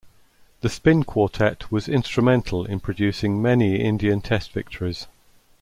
The spin quartet was instrumental in producing many Indian Test victories.